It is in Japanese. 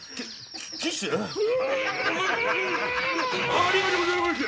ありがとうございましゅ。